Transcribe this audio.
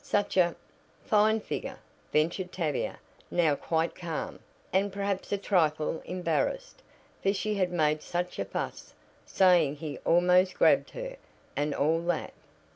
Such a " "Fine figure," ventured Tavia, now quite calm, and perhaps a trifle embarrassed, for she had made such a fuss, saying he almost grabbed her, and all that.